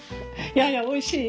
いやいやおいしい。